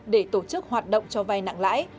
để tổ chức hoạt động cho vay nặng lãi